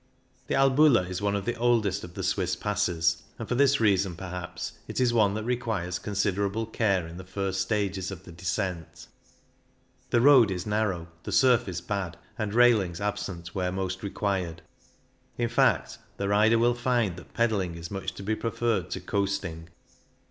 The Albula is one of the oldest of the Swiss passes, and for this reason, perhaps, it is one that requires considerable care in the first stages of the descent. The road is narrow, the surface bad, and railings absent where most required ; in fact, the rider will find that pedalling is much to be 68 CYCLING IN THE ALPS preferred to coasting.